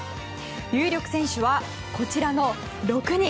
有力選手は、こちらの６人。